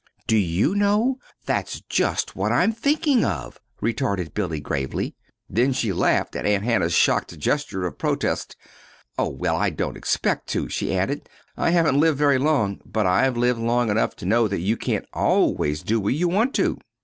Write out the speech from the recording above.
"Do you know? that's just what I'm thinking of," retorted Billy, gravely. Then she laughed at Aunt Hannah's shocked gesture of protest. "Oh, well, I don't expect to," she added. "I haven't lived very long, but I've lived long enough to know that you can't always do what you want to."